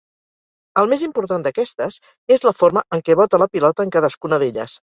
El més important d'aquestes és la forma en què bota la pilota en cadascuna d'elles.